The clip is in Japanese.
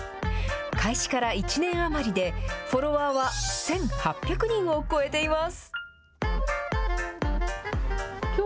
開始から１年余りでフォロワーは１８００人を超えています。